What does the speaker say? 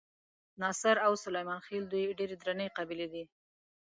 ناصر او سلیمان خېل دوې ډېرې درنې قبیلې دي.